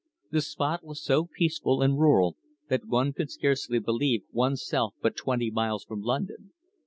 The spot was so peaceful and rural that one could scarcely believe one's self but twenty miles from London.